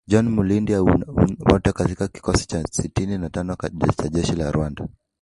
John Muhindi Uwajeneza, wote kutoka kikosi cha sitini na tano cha jeshi la Rwanda